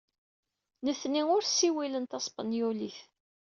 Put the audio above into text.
Netni ul ssiwilen Taspanyolit.